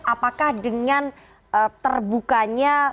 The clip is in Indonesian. apakah dengan terbukanya